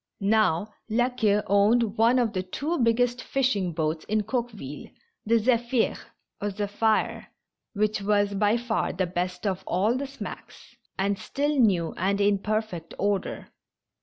Now, La Queue owned one of tlie two biggest fishing boats in Coqueville, the Zephir (Zephyr), which was by far the best of all the smacks, and still new and in per fect order.